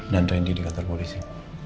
nantain dia di kantor polisi